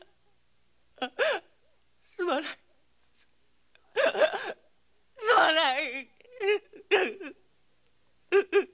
すまないすまない！